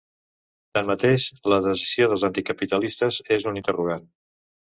Tanmateix, la decisió dels anticapitalistes és un interrogant.